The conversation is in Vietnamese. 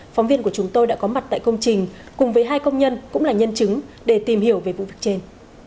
phóng viên của chúng tôi đã có mặt tại công trình cùng với hai công nhân cũng là nhân chứng để tìm hiểu về vụ việc trên